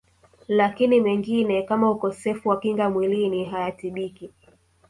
Lakini mengine kama Ukosefu wa Kinga Mwilini hayatibiki